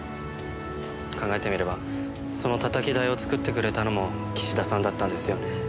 考えてみればそのたたき台を作ってくれたのも岸田さんだったんですよね。